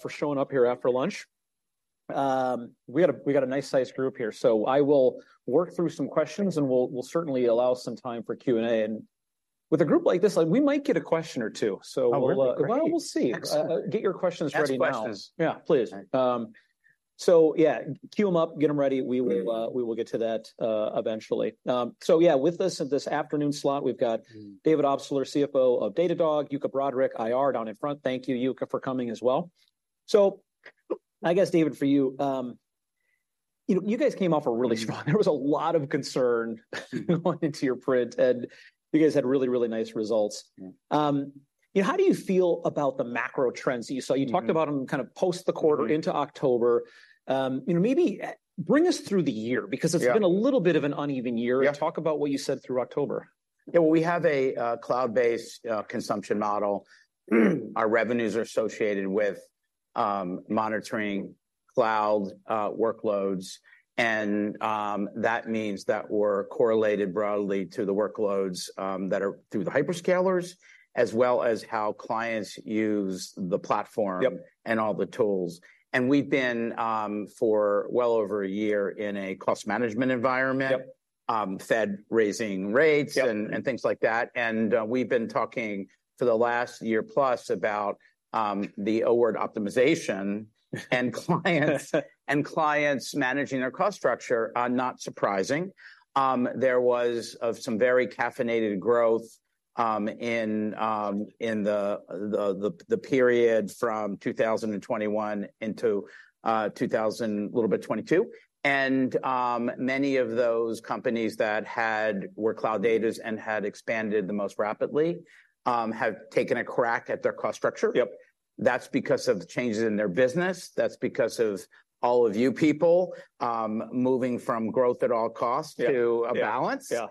For showing up here after lunch. We got a nice-sized group here. So I will work through some questions, and we'll certainly allow some time for Q&A. And with a group like this, like, we might get a question or two. Oh, that'd be great. Well, we'll see. Yes. Get your questions ready now. Ask questions. Yeah, please. Right. So yeah, Q them up, get them ready. Mm-hmm. We will, we will get to that, eventually. So yeah, with us in this afternoon slot, we've got- Mm... David Obstler, CFO of Datadog, Yuka Broderick, IR, down in front. Thank you, Yuka, for coming as well. So I guess, David, for you, you know, you guys came off a really strong- There was a lot of concern going into your print, and you guys had really, really nice results. Yeah. Yeah, how do you feel about the macro trends that you saw? Mm. You talked about them kind of post the quarter- Mm... into October. You know, maybe, bring us through the year, because- Yeah... it's been a little bit of an uneven year. Yeah. Talk about what you said through October. Yeah, well, we have a cloud-based consumption model. Our revenues are associated with monitoring cloud workloads, and that means that we're correlated broadly to the workloads that are through the hyperscalers, as well as how clients use the platform- Yep... and all the tools. And we've been for well over a year in a cost management environment- Yep... Fed, raising rates- Yep... and things like that. We've been talking for the last year plus about the O word, optimization, and clients managing their cost structure, are not surprising. There was some very caffeinated growth in the period from 2021 into 2022. And many of those companies that were cloud-native and had expanded the most rapidly have taken a crack at their cost structure. Yep. That's because of the changes in their business, that's because of all of you people moving from growth at all costs- Yeah, yeah... to a balance. Yeah.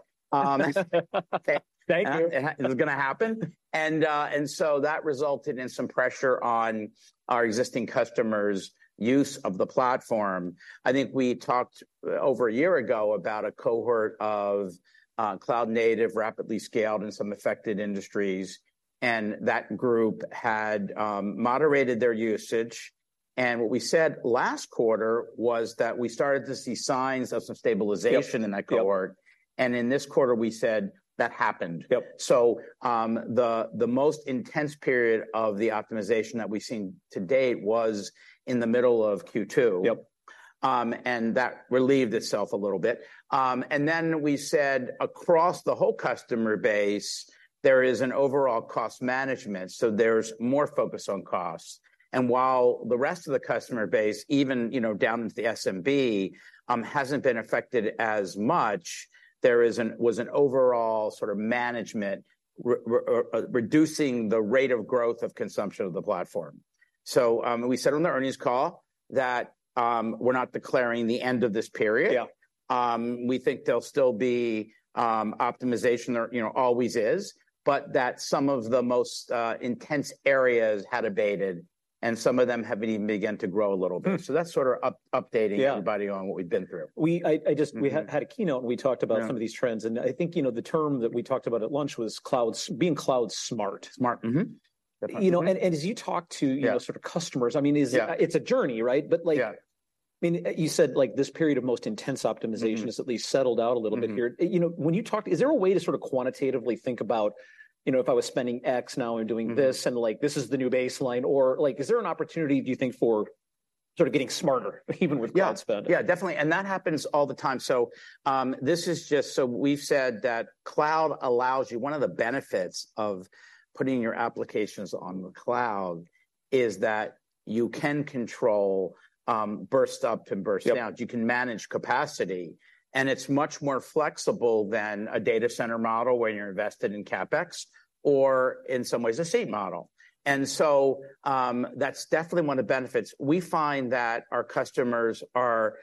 Thank you. It was gonna happen. And so that resulted in some pressure on our existing customers' use of the platform. I think we talked over a year ago about a cohort of cloud native, rapidly scaled, and some affected industries, and that group had moderated their usage. And what we said last quarter was that we started to see signs of some stabilization. Yep, yep... in that cohort. And in this quarter, we said that happened. Yep. So, the most intense period of the optimization that we've seen to date was in the middle of Q2. Yep. And that relieved itself a little bit. And then we said, across the whole customer base, there is an overall cost management, so there's more focus on cost. And while the rest of the customer base, even, you know, down to the SMB, hasn't been affected as much, there was an overall sort of management, reducing the rate of growth of consumption of the platform. So, we said on the earnings call that, we're not declaring the end of this period. Yeah. We think there'll still be optimization there, you know, always is, but that some of the most intense areas had abated, and some of them have even began to grow a little bit. Mm. So that's sort of updating- Yeah... everybody on what we've been through. I just- Mm-hmm... we had had a keynote, and we talked about- Yeah... some of these trends. I think, you know, the term that we talked about at lunch was being cloud smart. Smart. Mm-hmm. Yeah, absolutely. You know, and as you talk to, you know- Yeah... sort of customers, I mean, is- Yeah... it's a journey, right? But, like- Yeah... I mean, you said, like, this period of most intense optimization- Mm... has at least settled out a little bit here. Mm-hmm. You know, when you talk, is there a way to sort of quantitatively think about, you know, if I was spending X, now I'm doing this? Mm... and, like, this is the new baseline? Or, like, is there an opportunity, do you think, for sort of getting smarter, even with cloud spend? Yeah, yeah, definitely. And that happens all the time. So we've said that cloud allows you one of the benefits of putting your applications on the cloud is that you can control burst up and burst down. Yep. You can manage capacity, and it's much more flexible than a data center model, where you're invested in CapEx, or in some ways, a CapEx model. And so, that's definitely one of the benefits. We find that our customers are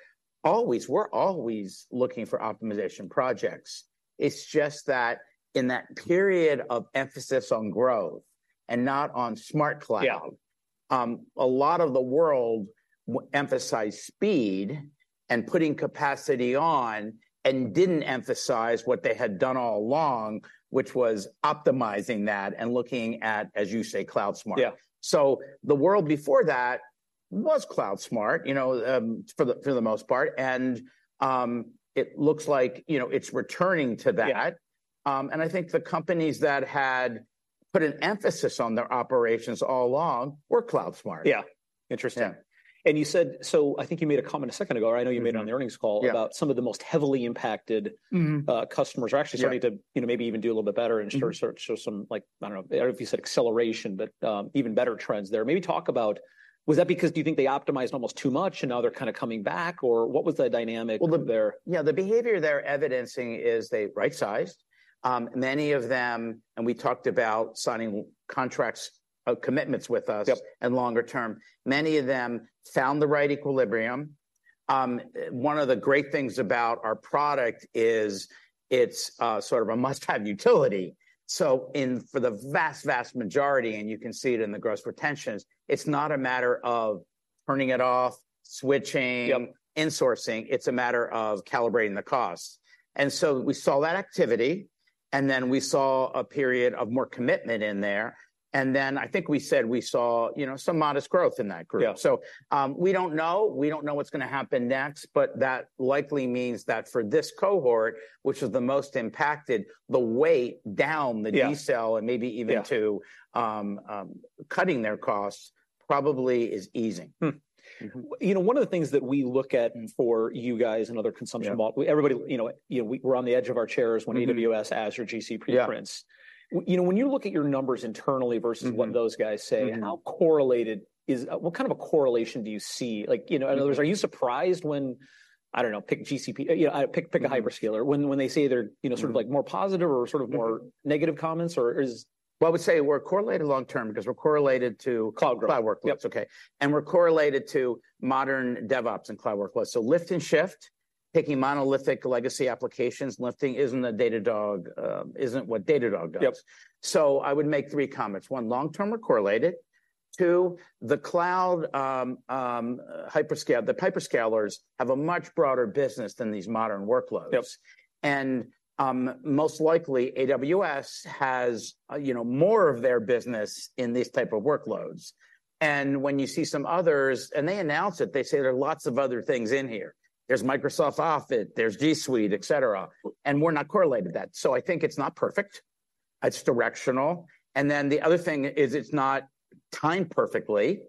always, we're always looking for optimization projects. It's just that in that period of emphasis on growth and not on smart cloud- Yeah... a lot of the world emphasized speed and putting capacity on, and didn't emphasize what they had done all along, which was optimizing that and looking at, as you say, cloud smart. Yeah. The world before that was cloud smart, you know, for the most part. It looks like, you know, it's returning to that. Yeah. I think the companies that had put an emphasis on their operations all along were cloud smart. Yeah. Interesting. Yeah. You said... So I think you made a comment a second ago, or I know you made it- Mm... on the earnings call- Yeah... about some of the most heavily impacted- Mm-hmm... customers- Yeah... are actually starting to, you know, maybe even do a little bit better- Mm... and show some, like, I don't know, or if you said acceleration, but even better trends there. Maybe talk about, was that because, do you think they optimized almost too much, and now they're kinda coming back? Or what was the dynamic there? Well, yeah, the behavior they're evidencing is they right-sized. Many of them, and we talked about signing contracts, commitments with us- Yep... and longer term. Many of them found the right equilibrium. One of the great things about our product is it's sort of a must-have utility. So, for the vast, vast majority, and you can see it in the gross retentions, it's not a matter of turning it off, switching- Yep... insourcing. It's a matter of calibrating the cost. And so we saw that activity... and then we saw a period of more commitment in there, and then I think we said we saw, you know, some modest growth in that group. Yeah. We don't know. We don't know what's gonna happen next, but that likely means that for this cohort, which was the most impacted, the weight down- Yeah... the decel, and maybe even- Yeah... to cutting their costs, probably is easing. Hmm. Mm-hmm. You know, one of the things that we look at for you guys, and other consumption- Yeah... models, everybody, you know, you know, we're on the edge of our chairs when- Mm-hmm... AWS, Azure, GCP prints. Yeah. You know, when you look at your numbers internally versus- Mm-hmm... what those guys say- Mm-hmm... how correlated is... What kind of a correlation do you see? Like, you know, in other words, are you surprised when, I don't know, pick GCP, you know, pick a hyperscaler, when they say they're- Mm-hmm... you know, sort of, like, more positive or sort of more- Mm-hmm... negative comments, or is- Well, I would say we're correlated long term, because we're correlated to- Cloud growth... cloud workloads. Yep. Okay. We're correlated to modern DevOps and cloud workloads. Lift and shift, picking monolithic legacy applications, isn't what Datadog does. Yep. So I would make three comments. One, long term, we're correlated. Two, the cloud, the hyperscalers have a much broader business than these modern workloads. Yep. Most likely, AWS has you know, more of their business in these type of workloads. When you see some others... They announce it, they say there are lots of other things in here. There's Microsoft Office, there's G Suite, et cetera, and we're not correlated to that. So I think it's not perfect, it's directional. Then the other thing is it's not timed perfectly,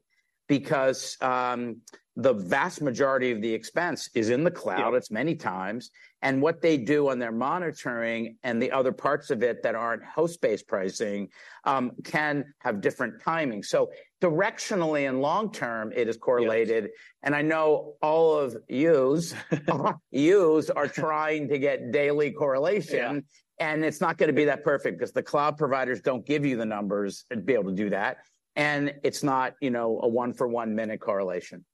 because the vast majority of the expense is in the cloud- Yep... it's many times, and what they do on their monitoring and the other parts of it that aren't host-based pricing, can have different timing. So directionally and long-term, it is correlated. Yep. And I know all of yous are trying to get daily correlation- Yeah... and it's not gonna be that perfect, 'cause the cloud providers don't give you the numbers and be able to do that, and it's not, you know, a one-for-one minute correlation.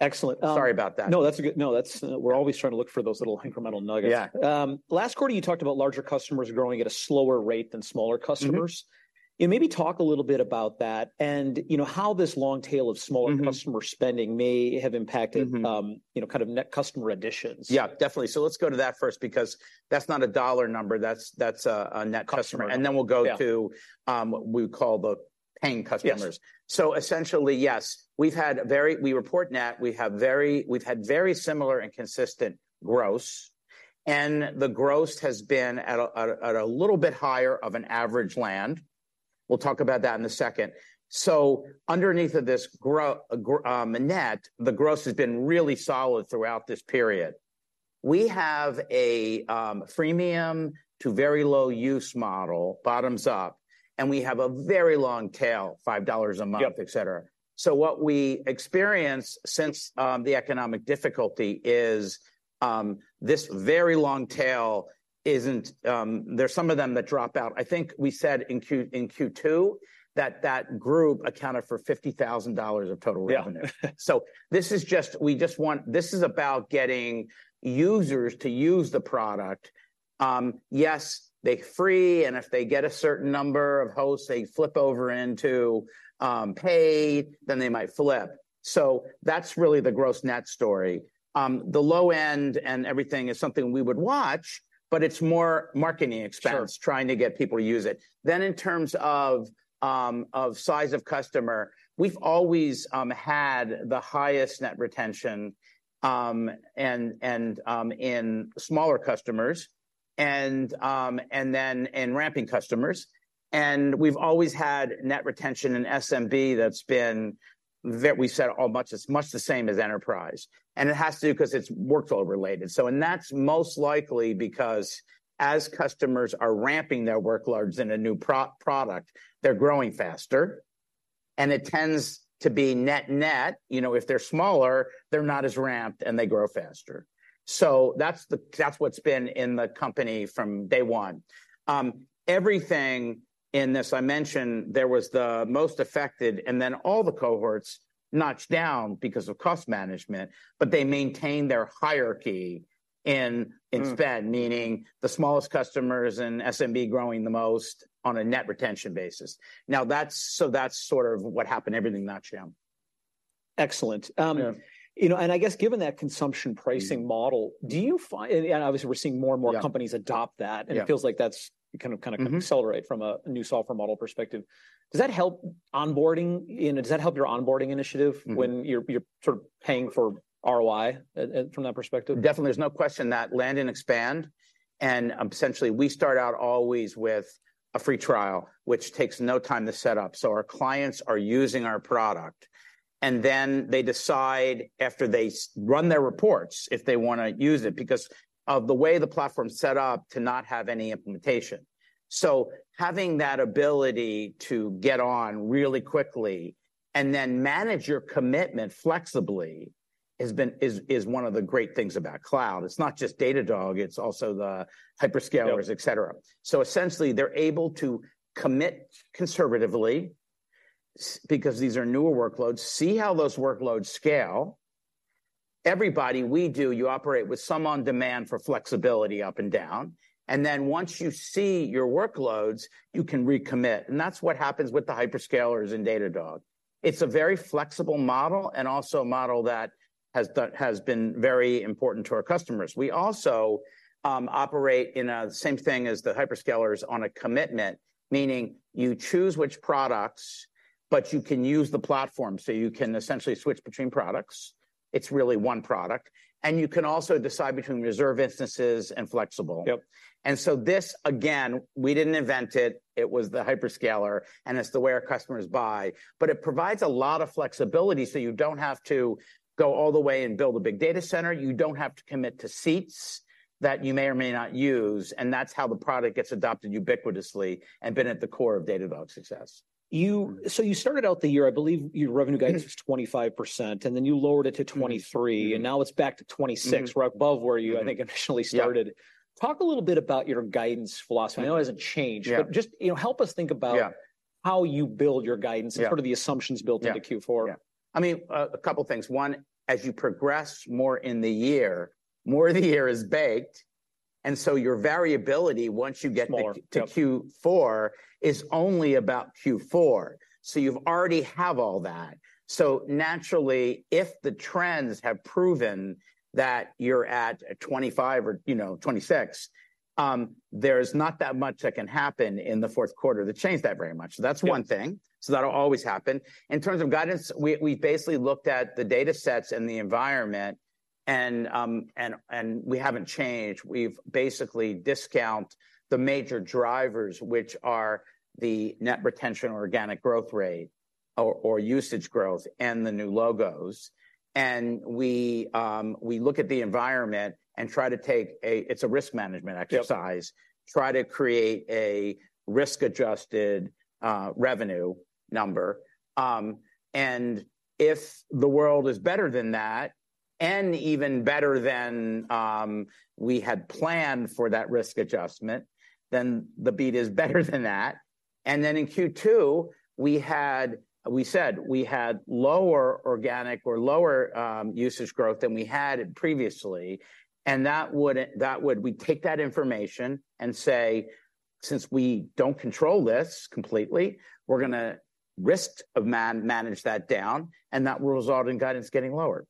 Excellent. Um- Sorry about that. No, that's good. No, that's, we're always trying to look for those little incremental nuggets. Yeah. Last quarter, you talked about larger customers growing at a slower rate than smaller customers. Mm-hmm. Yeah, maybe talk a little bit about that and, you know, how this long tail of smaller- Mm-hmm... customer spending may have impacted- Mm-hmm... you know, kind of net customer additions. Yeah, definitely. So let's go to that first, because that's not a dollar number, that's a net customer. Customer. And then we'll go to- Yeah... what we call the paying customers. Yes. So essentially, yes, we've had a very... We report net. We've had very similar and consistent gross, and the gross has been at a little bit higher of an average land. We'll talk about that in a second. So underneath of this gross, the net, the gross has been really solid throughout this period. We have a freemium to very low use model, bottoms up, and we have a very long tail, $5 a month- Yep... et cetera. So what we experienced since the economic difficulty is this very long tail isn't. There's some of them that drop out. I think we said in Q2 that that group accounted for $50,000 of total revenue. Yeah. So this is about getting users to use the product. Yes, they're free, and if they get a certain number of hosts, they flip over into paid, then they might flip. So that's really the gross net story. The low end and everything is something we would watch, but it's more marketing expense. Sure... trying to get people to use it. Then in terms of size of customer, we've always had the highest net retention and in smaller customers and then in ramping customers, and we've always had net retention in SMB that's been. We said, it's much the same as enterprise. And it has to do 'cause it's workload-related, and that's most likely because as customers are ramping their workloads in a new product, they're growing faster, and it tends to be net-net. You know, if they're smaller, they're not as ramped and they grow faster. So that's what's been in the company from day one. Everything in this I mentioned, there was the most affected, and then all the cohorts notched down because of cost management, but they maintained their hierarchy and- Hmm... in spend, meaning the smallest customers and SMB growing the most on a net retention basis. Now, that's... So that's sort of what happened, everything notched down. Excellent. Um- Yeah... you know, and I guess given that consumption pricing model- Mm-hmm... do you find, and, and obviously we're seeing more and more- Yeah... companies adopt that. Yeah. And it feels like that's kind of... Mm-hmm... accelerate from a new software model perspective. Does that help onboarding, and does that help your onboarding initiative? Mm-hmm... when you're sort of paying for ROI from that perspective? Definitely. There's no question that land and expand, and essentially we start out always with a free trial, which takes no time to set up, so our clients are using our product, and then they decide, after they run their reports, if they wanna use it, because of the way the platform's set up to not have any implementation. So having that ability to get on really quickly and then manage your commitment flexibly, is one of the great things about cloud. It's not just Datadog, it's also the hyperscalers- Yep... et cetera. So essentially, they're able to commit conservatively, because these are newer workloads, see how those workloads scale, everybody. We do, you operate with some on-demand for flexibility up and down, and then once you see your workloads, you can recommit. And that's what happens with the hyperscalers in Datadog. It's a very flexible model, and also a model that has been very important to our customers. We also operate in the same thing as the hyperscalers on a commitment, meaning you choose which products, but you can use the platform, so you can essentially switch between products. It's really one product. And you can also decide between reserve instances and flexible. Yep. And so this, again, we didn't invent it, it was the hyperscaler, and it's the way our customers buy. But it provides a lot of flexibility so you don't have to go all the way and build a big data center, you don't have to commit to seats that you may or may not use, and that's how the product gets adopted ubiquitously, and been at the core of Datadog's success. So you started out the year, I believe your revenue guidance. Mm-hmm... was 25%, and then you lowered it to 23%, and now it's back to 26%- Mm-hmm... right above where you, I think, initially started. Yeah. Talk a little bit about your guidance philosophy. I know it hasn't changed- Yeah... but just, you know, help us think about- Yeah... how you build your guidance- Yeah... and sort of the assumptions built into Q4. Yeah. Yeah. I mean, a couple things. One, as you progress more in the year, more of the year is baked, and so your variability, once you get to- It's more, yep.... to Q4, is only about Q4. So you've already have all that. So naturally, if the trends have proven that you're at a 25 or, you know, 26, there's not that much that can happen in the fourth quarter to change that very much. Yep. So that's one thing. So that'll always happen. In terms of guidance, we basically looked at the data sets and the environment, and we haven't changed. We've basically discount the major drivers, which are the net retention or organic growth rate, or usage growth, and the new logos. And we look at the environment and try to take a... It's a risk management exercise. Yep... try to create a risk-adjusted revenue number. And if the world is better than that, and even better than we had planned for that risk adjustment, then the beat is better than that. And then in Q2, we said we had lower organic or lower usage growth than we had previously, and that would... We'd take that information and say, "Since we don't control this completely, we're gonna risk manage that down," and that will result in guidance getting lowered.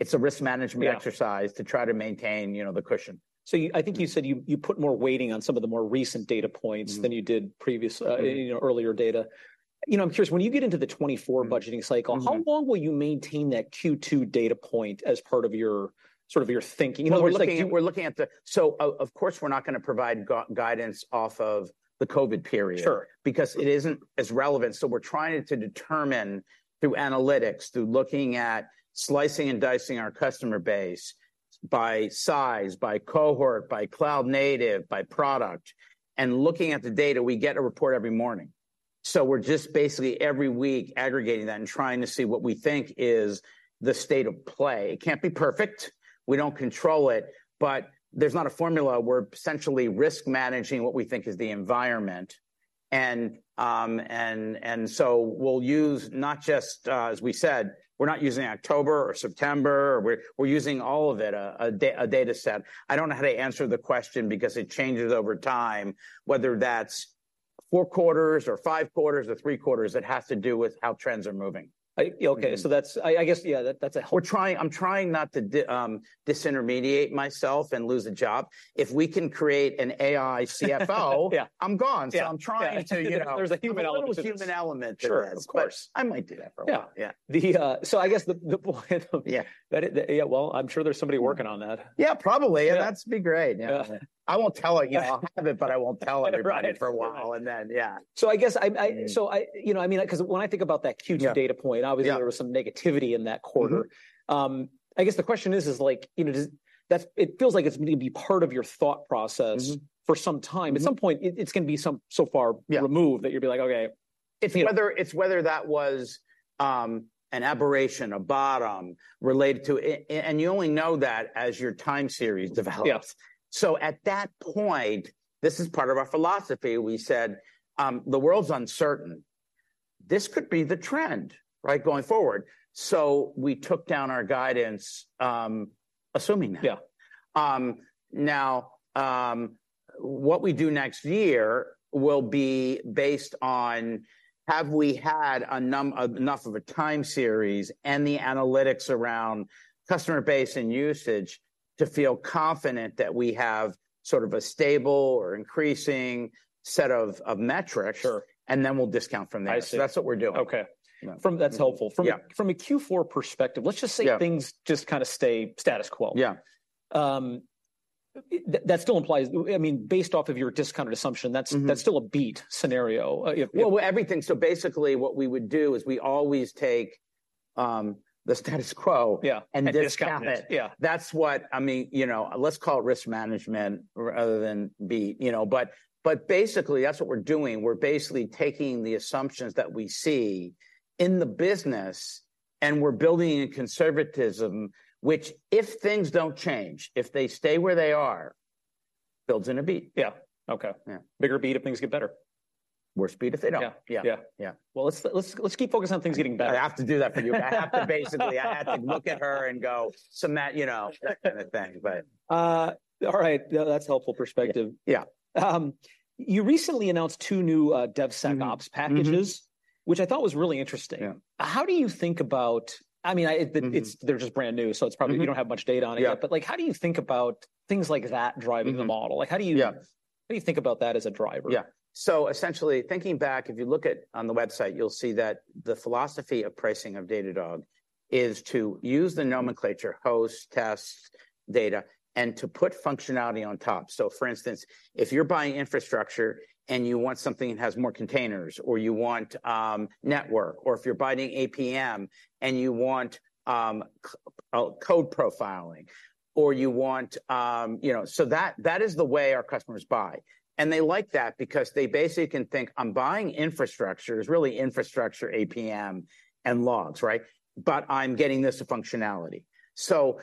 It's a risk management exercise- Yeah... to try to maintain, you know, the cushion. So, I think you said you put more weighting on some of the more recent data points. Mm... than you did previous, you know, earlier data. You know, I'm curious, when you get into the 2024 budgeting cycle- Mm, mm-hmm... how long will you maintain that Q2 data point as part of your, sort of your thinking? Because, like, Q- Well, we're looking at the... So, of course, we're not gonna provide guidance off of the COVID period. Sure... because it isn't as relevant. So we're trying to determine through analytics, through looking at slicing and dicing our customer base by size, by cohort, by cloud native, by product, and looking at the data, we get a report every morning. So we're just basically every week aggregating that and trying to see what we think is the state of play. It can't be perfect. We don't control it, but there's not a formula. We're essentially risk managing what we think is the environment, and so we'll use not just... As we said, we're not using October or September, we're using all of it, a data set. I don't know how to answer the question because it changes over time, whether that's four quarters or five quarters or three quarters. It has to do with how trends are moving. I- Mm. Okay, so that's... I guess, yeah, that's a help. I'm trying not to disintermediate myself and lose a job. If we can create an AI CFO- Yeah... I'm gone. Yeah. I'm trying to, you know- Yeah, there's a human element to this.... put a little human element to this. Sure, of course. But I might do that for a while. Yeah. Yeah. So I guess the point of... Yeah. That, yeah, well, I'm sure there's somebody working on that. Yeah, probably. Yeah. That'd be great, yeah. Yeah. I won't tell, you know, I have it, but I won't tell anybody- Right... for a while, and then, yeah. So I guess I Yeah. You know, I mean, 'cause when I think about that Q2 data point- Yeah, yeah... obviously there was some negativity in that quarter. Mm-hmm. I guess the question is, like, you know, does, that's, it feels like it's gonna be part of your thought process- Mm... for some time. Mm. At some point, it's gonna be some so far- Yeah... removed, that you'll be like, "Okay, you know"- It's whether that was an aberration, a bottom related to... and you only know that as your time series develops. Yeah. At that point, this is part of our philosophy. We said, "The world's uncertain. This could be the trend, right, going forward." So we took down our guidance, assuming that. Yeah. Now, what we do next year will be based on have we had enough of a time series and the analytics around customer base and usage to feel confident that we have sort of a stable or increasing set of metrics- Sure... and then we'll discount from there. I see. That's what we're doing. Okay. Yeah. From- Mm. That's helpful. Yeah. From a Q4 perspective, let's just say- Yeah... things just kind of stay status quo. Yeah. That still implies... I mean, based off of your discounted assumption- Mm-hmm... that's, that's still a beat scenario, if, if- Well, everything- so basically what we would do is we always take the status quo- Yeah... and discount it. Discount it, yeah. That's what I mean, you know, let's call it risk management, rather than be. You know? But basically, that's what we're doing. We're basically taking the assumptions that we see in the business, and we're building in conservatism, which if things don't change, if they stay where they are, builds in a beat. Yeah. Okay. Yeah. Bigger beat if things get better. Worse beat if they don't. Yeah. Yeah. Yeah. Yeah. Well, let's keep focused on things getting better. I have to do that for you. I have to basically-... I have to look at her and go, "Some that," you know, kind of thing, but- All right. No, that's a helpful perspective. Yeah, yeah. you recently announced two new, DevSecOps packages- Mm-hmm, mm-hmm... which I thought was really interesting. Yeah. How do you think about... I mean, it, the- Mm-hmm... it's, they're just brand new, so it's probably- Mm-hmm... you don't have much data on it yet. Yeah. Like, how do you think about things like that driving the model? Mm-hmm. Like, how do you- Yeah... how do you think about that as a driver? Yeah. So essentially, thinking back, if you look at, on the website, you'll see that the philosophy of pricing of Datadog is to use the nomenclature, host, test, data, and to put functionality on top. So for instance, if you're buying infrastructure and you want something that has more containers, or you want, network, or if you're buying APM and you want, code profiling, or you want... You know, so that, that is the way our customers buy. And they like that because they basically can think, "I'm buying infrastructure." It's really infrastructure, APM, and logs, right? "But I'm getting this functionality." So,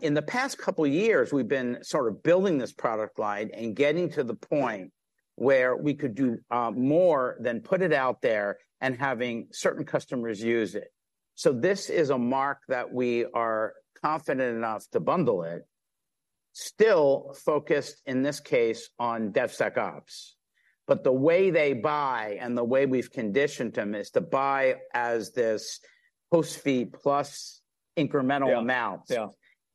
in the past couple years we've been sort of building this product line and getting to the point where we could do, more than put it out there and having certain customers use it. This is a mark that we are confident enough to bundle it, still focused, in this case, on DevSecOps. But the way they buy and the way we've conditioned them is to buy as this host fee plus incremental amounts. Yeah, yeah.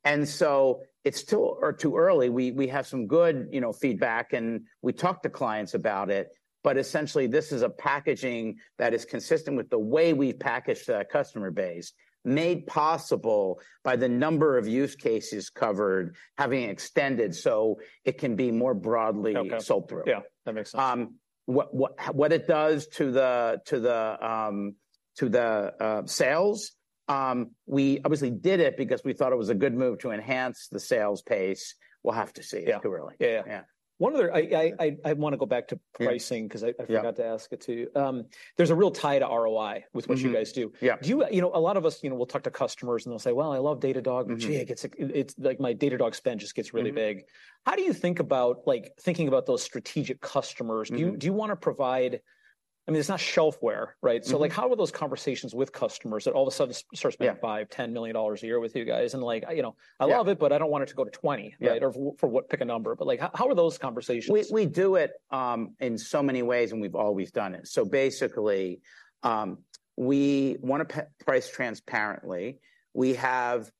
And so it's still too early. We have some good, you know, feedback, and we talk to clients about it, but essentially this is a packaging that is consistent with the way we've packaged the customer base, made possible by the number of use cases covered, having extended, so it can be more broadly- Okay... sold through. Yeah, that makes sense. What it does to the sales, we obviously did it because we thought it was a good move to enhance the sales pace. We'll have to see. Yeah. Too early. Yeah, yeah. Yeah. One other... I wanna go back to pricing- Yeah... 'cause I forgot- Yeah... to ask it to you. There's a real tie to ROI with what you guys do. Mm-hmm. Yeah. You know, a lot of us, you know, we'll talk to customers and they'll say, "Well, I love Datadog- Mm-hmm... but, gee, it gets, it's like my Datadog spend just gets really big. Mm-hmm. How do you think about, like, thinking about those strategic customers? Mm-hmm... do you wanna provide... I mean, it's not shelfware, right? Mm-hmm. So, like, how are those conversations with customers that all of a sudden starts- Yeah... spending $5-$10 million a year with you guys, and like, I, you know- Yeah... "I love it, but I don't want it to go to 20"- Yeah... right? Or for what, pick a number. But, like, how are those conversations? We do it in so many ways, and we've always done it. So basically, we wanna price transparently. We have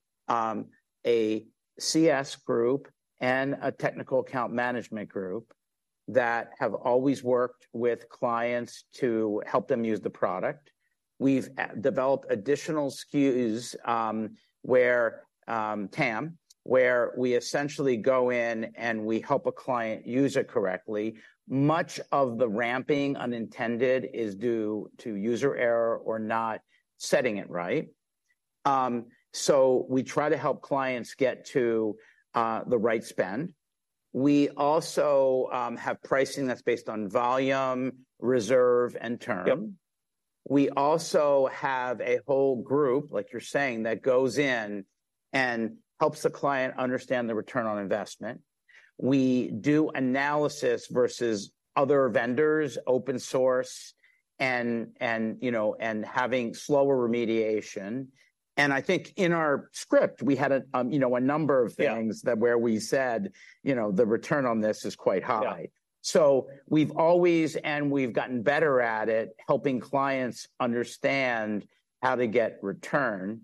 a CS group and a technical account management group that have always worked with clients to help them use the product. We've developed additional SKUs where TAM where we essentially go in and we help a client use it correctly. Much of the ramping unintended is due to user error or not setting it right. So we try to help clients get to the right spend. We also have pricing that's based on volume, reserve, and term. Yep. We also have a whole group, like you're saying, that goes in and helps the client understand the return on investment. We do analysis versus other vendors, open source, and you know, and having slower remediation. I think in our script, we had, you know, a number of things- Yeah... that where we said, "You know, the return on this is quite high. Yeah. So we've always... And we've gotten better at it, helping clients understand how to get return,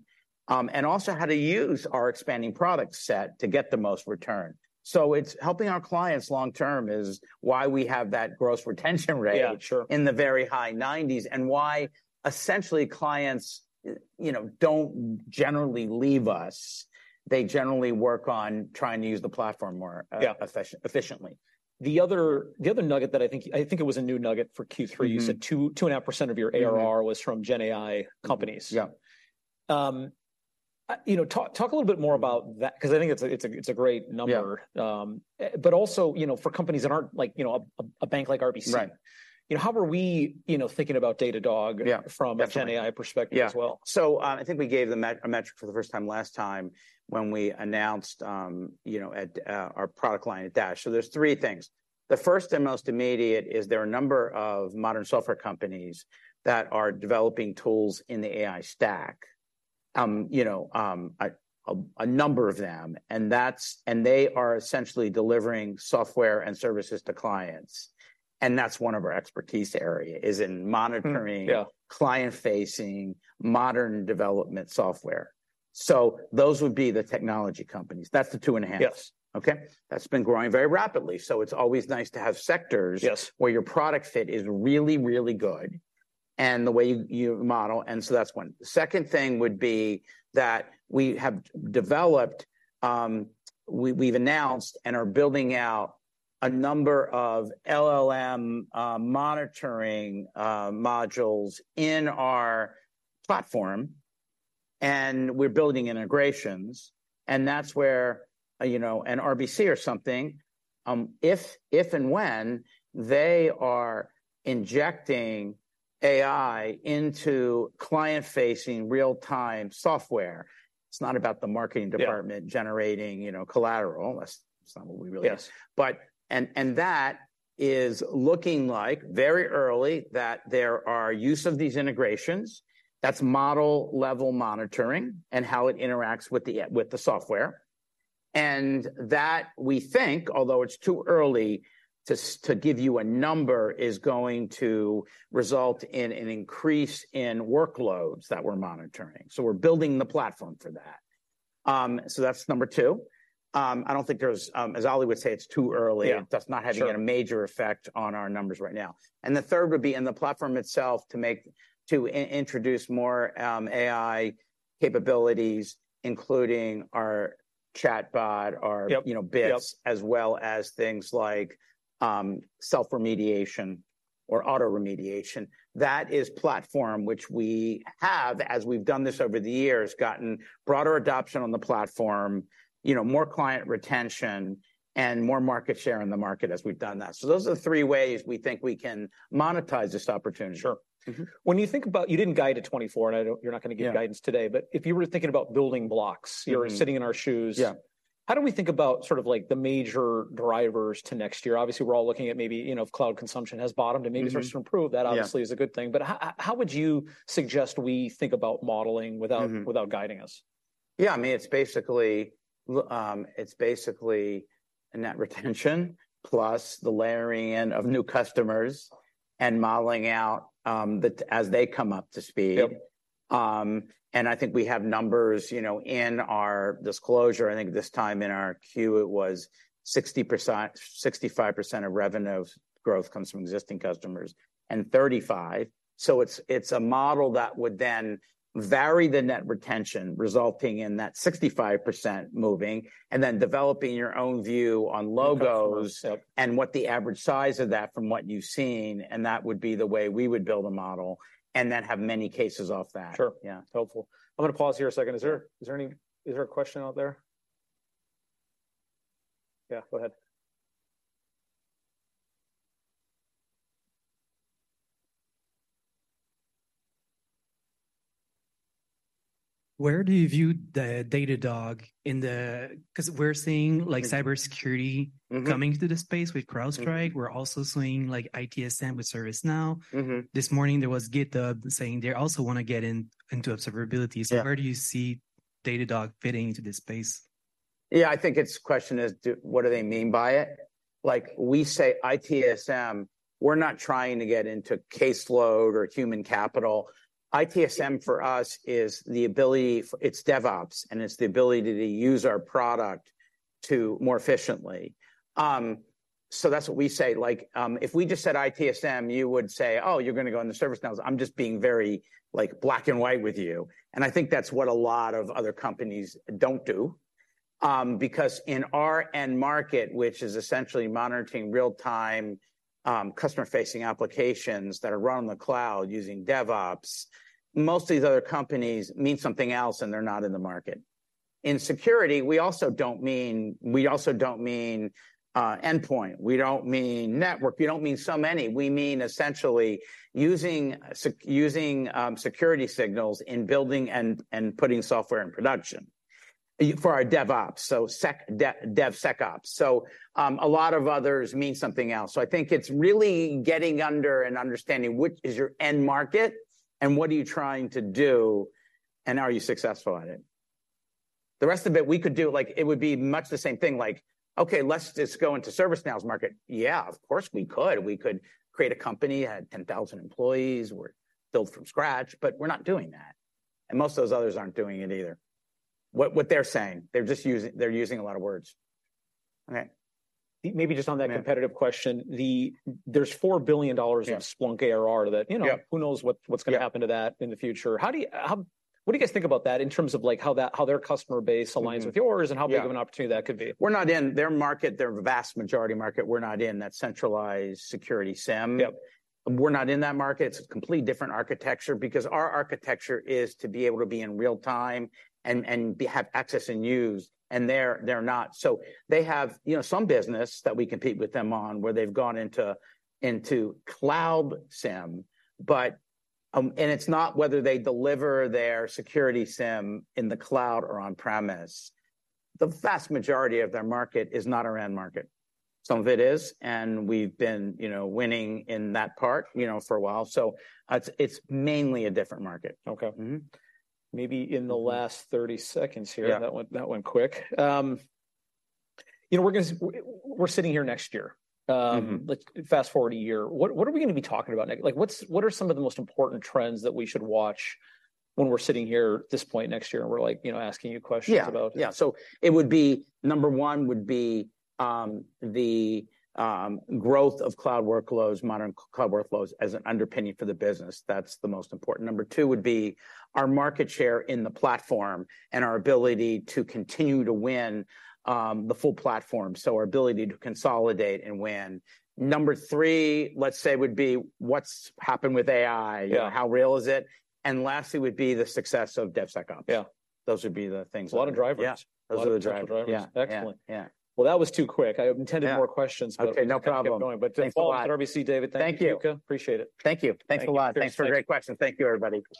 and also how to use our expanding product set to get the most return. So it's, helping our clients long-term is why we have that gross retention rate- Yeah, sure... in the very high 90s, and why essentially clients, you know, don't generally leave us. They generally work on trying to use the platform more. Yeah efficiently. The other nugget that I think... I think it was a new nugget for Q3. Mm-hmm. You said 2%, 2.5% of your ARR- Mm-hmm... was from gen AI companies. Yeah. You know, talk a little bit more about that, 'cause I think it's a great number. Yeah. But also, you know, for companies that aren't like, you know, a bank like RBC- Right... you know, how are we, you know, thinking about Datadog? Yeah... from a gen AI perspective- Yeah... as well? So, I think we gave the metric for the first time last time, when we announced, you know, at our product line at DASH. So there's three things. The first and most immediate is there are a number of modern software companies that are developing tools in the AI stack. You know, a number of them, and they are essentially delivering software and services to clients, and that's one of our expertise area, is in monitoring- Mm. Yeah... client-facing, modern development software. So those would be the technology companies. That's the 2.5. Yes. Okay? That's been growing very rapidly, so it's always nice to have sectors- Yes... where your product fit is really, really good, and the way you, you model, and so that's one. The second thing would be that we have developed, we, we've announced and are building out a number of LLM monitoring modules in our platform, and we're building integrations. And that's where, you know, and RBC or something, if, if and when they are injecting-... AI into client-facing, real-time software. It's not about the marketing department- Yeah -generating, you know, collateral. That's, that's not what we really are. Yeah. But that is looking like very early that there are use of these integrations, that's model-level monitoring and how it interacts with the software. And that, we think, although it's too early to give you a number, is going to result in an increase in workloads that we're monitoring. So we're building the platform for that. So that's number two. I don't think there's, as Oli would say, "It's too early. Yeah. It does not having- Sure... a major effect on our numbers right now. And the third would be in the platform itself, to introduce more AI capabilities, including our chatbot, our- Yep... you know, Bits. Yep. As well as things like, self-remediation or auto-remediation. That is platform which we have, as we've done this over the years, gotten broader adoption on the platform, you know, more client retention, and more market share in the market as we've done that. So those are the three ways we think we can monetize this opportunity. Sure. Mm-hmm. When you think about... You didn't guide to 2024, and I don't- you're not gonna give- Yeah... guidance today. But if you were thinking about building blocks- Mm-hmm... or sitting in our shoes- Yeah... how do we think about sort of like, the major drivers to next year? Obviously, we're all looking at maybe, you know, if cloud consumption has bottomed- Mm-hmm... and maybe starts to improve. Yeah. That obviously is a good thing. But how would you suggest we think about modeling- Mm-hmm... without guiding us? Yeah, I mean, it's basically, it's basically a Net Retention, plus the layering in of new customers, and modeling out, the as they come up to speed. Yep. I think we have numbers, you know, in our disclosure. I think this time in our queue, it was 60%-65% of revenue growth comes from existing customers, and 35. So it's a model that would then vary the net retention, resulting in that 65% moving, and then developing your own view on logos- Yep... and what the average size of that from what you've seen, and that would be the way we would build a model, and then have many cases off that. Sure. Yeah. Helpful. I'm gonna pause here a second. Sure. Is there a question out there? Yeah, go ahead. Where do you view the Datadog in the... 'Cause we're seeing, like, cybersecurity- Mm-hmm... coming to the space with CrowdStrike. Mm-hmm. We're also seeing, like, ITSM with ServiceNow. Mm-hmm. This morning, there was GitHub saying they also wanna get in, into observability. Yeah. So where do you see Datadog fitting into this space? Yeah, I think it's question is do, what do they mean by it? Like, we say ITSM, we're not trying to get into caseload or human capital. ITSM, for us, is the ability—it's DevOps, and it's the ability to use our product to more efficiently. So that's what we say. Like, if we just said, "ITSM," you would say, "Oh, you're gonna go in the ServiceNow." I'm just being very, like, black and white with you, and I think that's what a lot of other companies don't do. Because in our end market, which is essentially monitoring real-time, customer-facing applications that are run on the cloud using DevOps, most of these other companies mean something else, and they're not in the market. In security, we also don't mean, we also don't mean, endpoint, we don't mean network, we don't mean so many. We mean essentially using security signals in building and putting software in production for our DevOps, so DevSecOps. So a lot of others mean something else. So I think it's really getting under and understanding what is your end market, and what are you trying to do, and are you successful at it? The rest of it, we could do, like, it would be much the same thing. Like, "Okay, let's just go into ServiceNow's market." Yeah, of course, we could. We could create a company, add 10,000 employees, or build from scratch, but we're not doing that. And most of those others aren't doing it either, what they're saying. They're just using a lot of words. Okay. Maybe just on that- Yeah... competitive question, there's $4 billion- Yeah... of Splunk ARR that, you know- Yep... who knows what- Yeah... what's gonna happen to that in the future? How do you, what do you guys think about that, in terms of, like, how that, how their customer base aligns- Mm... with yours- Yeah... and how big of an opportunity that could be? We're not in their market, their vast majority market. We're not in that centralized security SIEM. Yep. We're not in that market. It's a complete different architecture. Because our architecture is to be able to be in real time and, and be, have access and use, and they're, they're not. So they have, you know, some business that we compete with them on, where they've gone into, into Cloud SIEM, but, And it's not whether they deliver their security SIEM in the cloud or on-premise. The vast majority of their market is not our end market. Some of it is, and we've been, you know, winning in that part, you know, for a while. So, it's, it's mainly a different market. Okay. Mm-hmm. Maybe in the last 30 seconds here- Yeah... that went, that went quick. You know, we're gonna we're sitting here next year. Mm-hmm. Let's fast-forward a year. What are we gonna be talking about next? Like, what are some of the most important trends that we should watch when we're sitting here, this point next year, and we're like, you know, asking you questions about? Yeah, yeah. So it would be, number one would be the growth of cloud workloads, modern cloud workloads, as an underpinning for the business. That's the most important. Number two would be our market share in the platform, and our ability to continue to win the full platform. So our ability to consolidate and win. Mm. Number three, let's say, would be what's happened with AI. Yeah. You know, how real is it? And lastly, would be the success of DevSecOps. Yeah. Those would be the things- A lot of drivers. Yeah. Those are the drivers. Yeah. Excellent. Yeah. Well, that was too quick. I have- Yeah... intended more questions, but- Okay, no problem.... we could keep going. Thanks a lot. Paul from RBC, David, thank you. Thank you. Appreciate it. Thank you. Thank you. Thanks a lot. Thanks for- Thanks for great questions. Thank you, everybody.